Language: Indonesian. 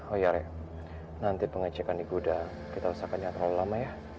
oh iya reh nanti pengecekan di gudang kita usahakan nyatakan lama ya